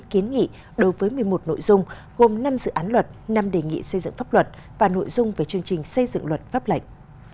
kiến nghị đối với một mươi một nội dung gồm năm dự án luật năm đề nghị xây dựng pháp luật và nội dung về chương trình xây dựng luật pháp lệnh